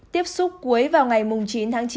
tiếp xúc cuối vào ngày chín tháng chín